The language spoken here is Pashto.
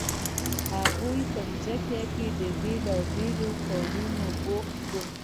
هغوی په ځمکو کې په بیلابیلو کارونو بوخت وو.